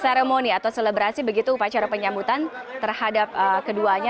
seremoni atau selebrasi begitu upacara penyambutan terhadap keduanya